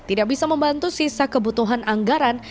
tidak bisa membantu sisa kebutuhan anggaran